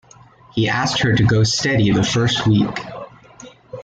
He asked her to go steady the first week.